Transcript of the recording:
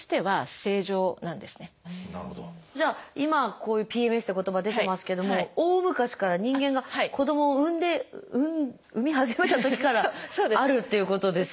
じゃあ今こういう「ＰＭＳ」って言葉出てますけども大昔から人間が子どもを産んで産み始めたときからあるっていうことですか？